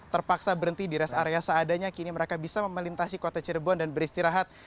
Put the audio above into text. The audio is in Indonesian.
terpaksa berhenti di rest area seadanya kini mereka bisa melintasi kota cirebon dan beristirahat